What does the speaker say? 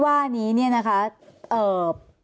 บ้านมีเกี่ยวกับใครแล้วก็จะออกหมายจับ